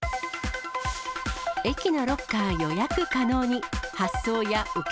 駅のロッカー予約可能に。